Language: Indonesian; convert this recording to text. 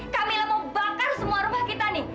kami mau bakar semua rumah kita nih